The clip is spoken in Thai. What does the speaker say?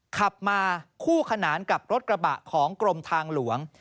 ขับมาคู่ขนานกับรถกระบะของกรมทางหลวง